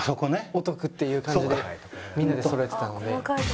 お得っていう感じでみんなでそろえてたので。